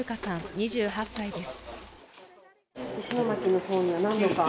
２８歳です